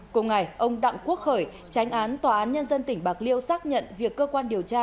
cùng ngày ông đặng quốc khởi tránh án tòa án nhân dân tỉnh bạc liêu xác nhận việc cơ quan điều tra